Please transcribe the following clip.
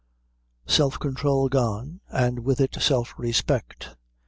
Self control gone, and with it self respect.